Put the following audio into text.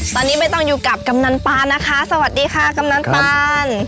ตอนนี้ใบตองอยู่กับกำนันปานนะคะสวัสดีค่ะกำนันปาน